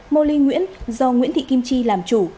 mô ly nguyễn do nguyễn thị kim chi làm chủ